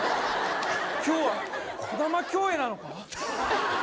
今日はこだま競泳なのか？